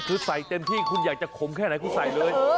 คือใส่เต็มที่คุณอยากจะขมแค่ไหนคุณใส่เลย